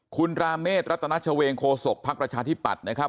คุณราเมฆรัตนัชเวงโคศกภักดิ์ประชาธิปัตย์นะครับ